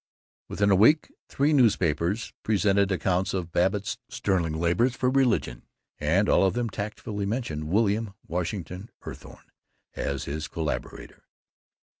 Within a week three newspapers presented accounts of Babbitt's sterling labors for religion, and all of them tactfully mentioned William Washington Eathorne as his collaborator.